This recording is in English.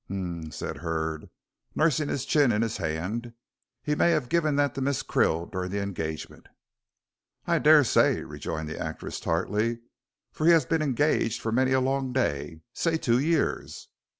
"Hum," said Hurd, nursing his chin in his hand, "he may have given that to Miss Krill during the engagement." "I daresay," rejoined the actress, tartly, "for he has been engaged for many a long day say two years."